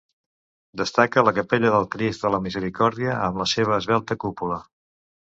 Destaca la capella del Crist de la Misericòrdia amb la seva esvelta cúpula.